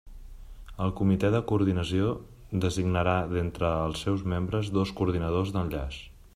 El Comité de Coordinació designarà, d'entre els seus membres, dos coordinadors d'enllaç.